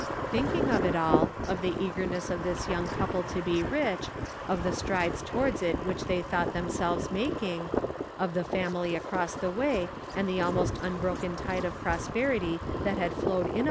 Think ing of it all — of the eagerness of this young couple to be rich, of the strides towards it which they thought themselves making ; of the family across the way, and the almost un broken tide of prosperity that had flowed in 514 The Pocket Measure.